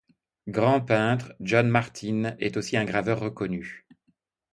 Grand peintre, John Martin est aussi un graveur reconnu.